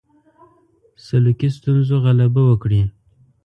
سلوکي ستونزو غلبه وکړي.